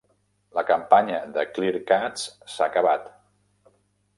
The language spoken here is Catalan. La campanya de Kleercut s'ha acabat.